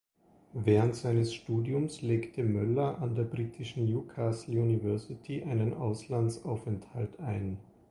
Während seines Studiums legte Möller an der britischen Newcastle University einen Auslandsaufenthalt ein.